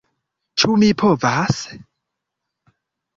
Ĉu mi povas...?